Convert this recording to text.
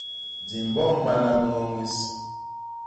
Di mboomana miño ñwés.